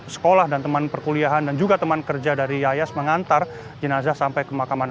sekolah dan teman perkuliahan dan juga teman kerja dari yayas mengantar jenazah sampai ke pemakaman